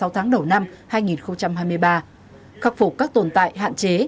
sáu tháng đầu năm hai nghìn hai mươi ba khắc phục các tồn tại hạn chế